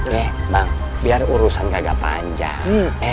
nih bang biar urusan kagak panjang